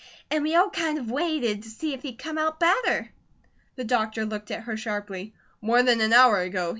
An' we all kind of waited to see if he'd come out better." The doctor looked at her sharply: "More than an hour ago?"